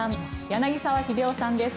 柳澤秀夫さんです。